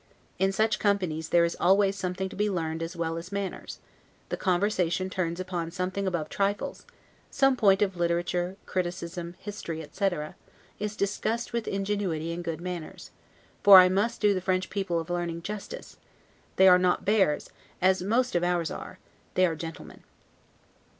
In such companies there is always something to be learned as well as manners; the conversation turns upon something above trifles; some point of literature, criticism, history, etc., is discussed with ingenuity and good manners; for I must do the French people of learning justice; they are not bears, as most of ours are: they are gentlemen.